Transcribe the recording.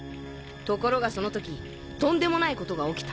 ところがその時とんでもないことが起きた。